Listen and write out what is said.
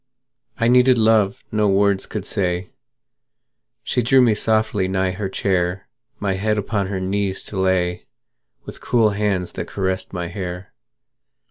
I needed love no words could say; She drew me softly nigh her chair, My head upon her knees to lay, With cool hands that caressed my hair.